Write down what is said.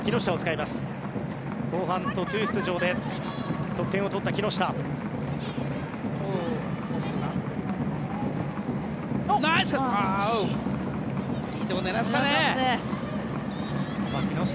後半途中出場で得点を取った木下。